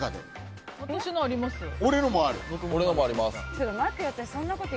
私のありますよ。